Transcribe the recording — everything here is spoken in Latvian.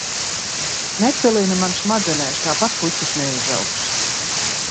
Nepilini man smadzenēs, tāpat puķes neizaugs!